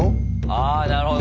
あなるほど。